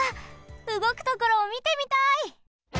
うごくところをみてみたい！